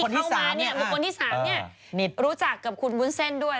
ที่เข้ามาเนี่ยบูรณ์คนที่๓เนี่ยรู้จักกับคุณวุ้นเซ่นด้วย